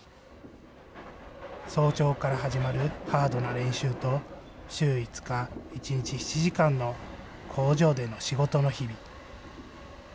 早朝から始まるハードな練習と、週５日、１日７時間の工場での仕事の日々。